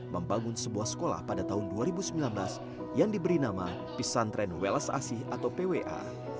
membangun sebuah sekolah pada tahun dua ribu sembilan belas yang diberi nama pesan tren welas asih atau pwa